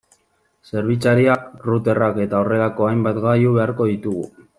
Zerbitzariak, routerrak eta horrelako hainbat gailu beharko ditugu.